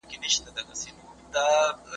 خاندي نن له ځان سره واصل ګوره چي څه لیکي